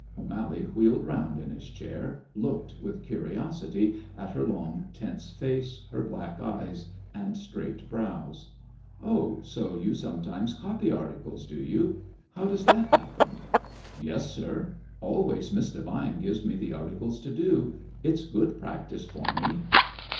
O'Mally wheeled round in his chair, looked with curiosity at her long, tense face, her black eyes, and straight brows. "Oh, so you sometimes copy articles, do you? How does that happen?" "Yes, sir. Always Miss Devine gives me the articles to do. It's good practice for me."